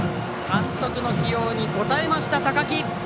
監督の起用に応えました、高木。